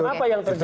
apa yang terjadi